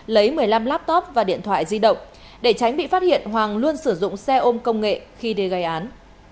lấy một mươi năm laptop và điện thoại di động để tránh bị phát hiện hoàng luôn sử dụng xe ôm công nghệ khi đi gây án